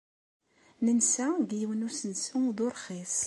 Nensa deg yiwen n usensu d urxis.